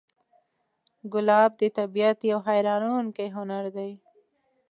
ګلاب د طبیعت یو حیرانوونکی هنر دی.